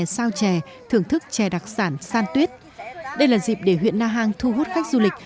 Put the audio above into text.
sao chè thưởng thức chè đặc sản san tuyết đây là dịp để huyện na hàng thu hút khách du lịch